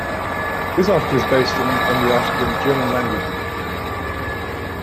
This article is based on the article in the German-language Wikipedia.